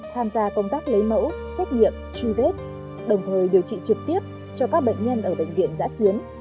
tham gia công tác lấy mẫu xét nghiệm truy vết đồng thời điều trị trực tiếp cho các bệnh nhân ở bệnh viện giã chiến